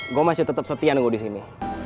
gue masih tetap setia nunggu di sini